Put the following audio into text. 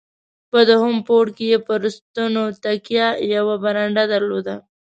په دوهم پوړ کې یې پر ستنو تکیه، یوه برنډه درلوده.